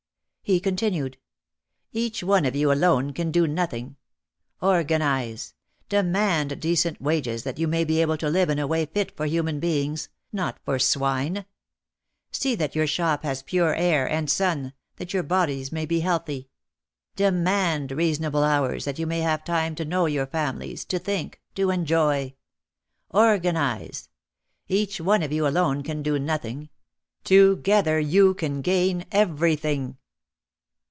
He continued : "Each one of you alone can do noth ing. Organise! Demand decent wages that you may be able to live in a way fit for human beings, not for OUT OF THE SHADOW 127 swine. See that your shop has pure air and sun, that your bodies may be healthy. Demand, reasonable hours that you may have time to know your families, to think, to enjoy. Organise ! Each one of you alone can do noth ing. Together you can gain everything."